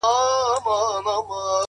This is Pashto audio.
ژوندی انسان و حرکت ته حرکت کوي،